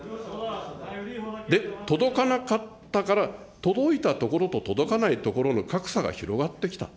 で、届かなかったから、届いた所と届かない所の格差が広がってきた。